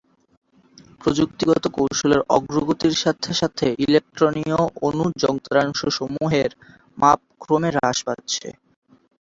প্রযুক্তিগত কৌশলের অগ্রগতির সাথে সাথে ইলেকট্রনীয় অণু-যন্ত্রাংশসমূহের মাপ ক্রমে হ্রাস পাচ্ছে।